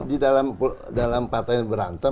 di dalam partai yang berantem